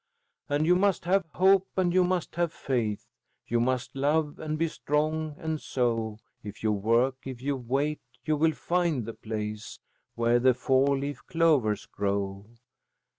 "And you must have hope and you must have faith. You must love and be strong, and so If you work, if you wait, you will find the place Where the four leaf clovers grow."